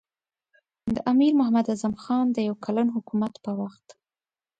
د امیر محمد اعظم خان د یو کلن حکومت په وخت.